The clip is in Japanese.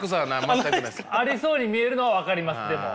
ありそうに見えるのは分かりますでも。